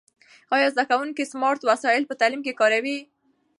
آیا زده کوونکي سمارټ وسایل په تعلیم کې کاروي؟